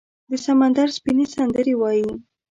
د سمندر سپینې، سندرې وایې